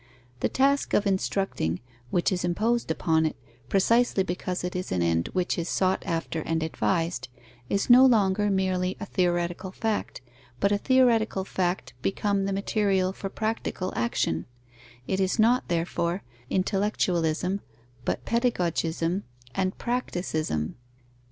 The task of instructing, which is imposed upon it, precisely because it is an end which is sought after and advised, is no longer merely a theoretical fact, but a theoretical fact become the material for practical action; it is not, therefore, intellectualism, but pedagogism and practicism.